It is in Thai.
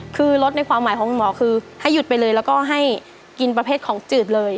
คือรสในความหมายของคุณหมอคือให้หยุดไปเลยแล้วก็ให้กินประเภทของจืดเลย